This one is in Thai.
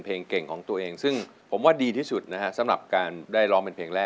เป็นประจำบางปี